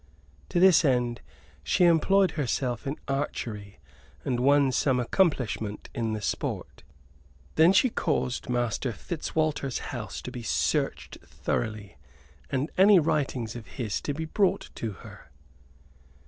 To this end she employed herself in archery and won some accomplishment in the sport; then she caused Master Fitzwalter's house to be searched thoroughly and any writings of his to be brought to her.